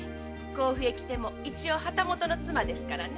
甲府へ来ても一応旗本の妻ですからね。